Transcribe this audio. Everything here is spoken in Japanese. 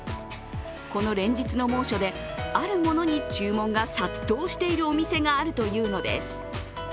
この連日の猛暑で、あるものに注文が殺到しているお店があるというのです。